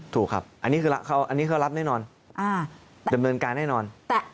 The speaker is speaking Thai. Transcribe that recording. ถูกครับอันนี้คือรับแน่นอนเดินเมินการแน่นอน